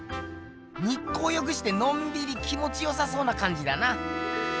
日光浴してのんびり気もちよさそうなかんじだな。